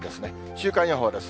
週間予報です。